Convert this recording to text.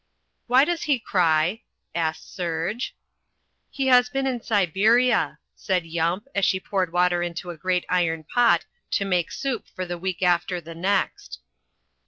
"Why does he cry?" asked Serge. "He has been in Siberia," said Yump as she poured water into the great iron pot to make soup for the week after the next.